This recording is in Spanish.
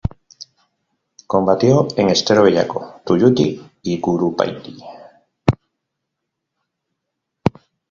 Combatió en Estero Bellaco, Tuyutí, y Curupaytí.